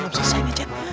belum selesai nih chat